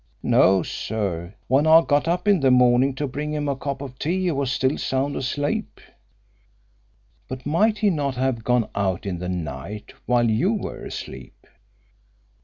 "No, sir. When I got up in the morning to bring him a cup of tea he was still sound asleep." "But might he not have gone out in the night while you were asleep?"